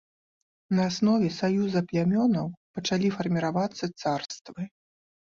На аснове саюза плямёнаў пачалі фарміравацца царствы.